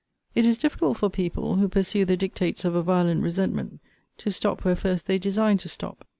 It is difficult for people, who pursue the dictates of a violent resentment, to stop where first they designed to stop.